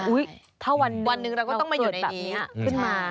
อุ๊ยถ้าวันหนึ่งเราเกิดแบบนี้ขึ้นมา